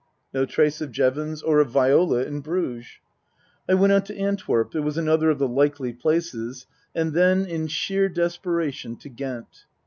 No trace of Jevons or of Viola in Bruges. I went on to Antwerp (it was another of the likely places), and then, in sheer desperation, to Ghent.